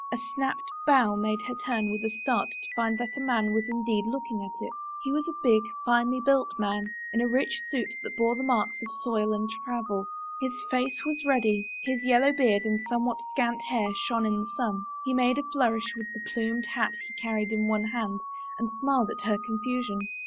A snapped bough made her turn with a start to find that a man was indeed looking at it. He was a big, finely built man, in a rich suit that bore the marks of soil and travel. His face was ruddy; his yellow beard and somewhat scant hair shone in the sun. He made a flourish with the plumed hat he carried in one hand and smiled at her confusion.